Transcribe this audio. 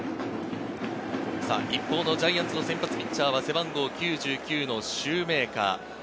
一方のジャイアンツ、先発ピッチャーは背番号９９のシューメーカー。